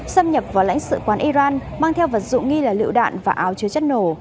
xâm nhập vào lãnh sự quán iran mang theo vật dụng nghi là lựu đạn và áo chứa chất nổ